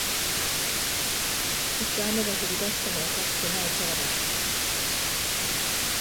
いつ雨が降りだしてもおかしくない空だ